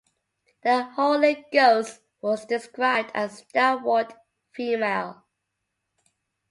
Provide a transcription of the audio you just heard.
The Holy Ghost was described as a stalwart female.